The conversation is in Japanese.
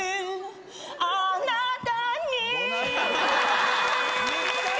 「あなたに」